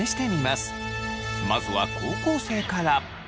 まずは高校生から。